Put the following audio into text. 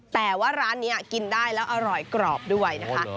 แต่ว่าร้านนี้กินได้แล้วอร่อยกรอบด้วยนะคะ